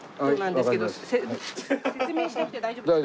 説明しなくて大丈夫ですか？